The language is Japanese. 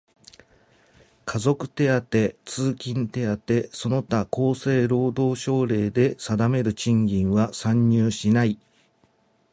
家族手当、通勤手当その他厚生労働省令で定める賃金は算入しない。